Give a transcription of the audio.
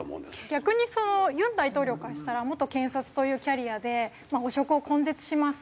逆に尹大統領からしたら元検察というキャリアで汚職を根絶します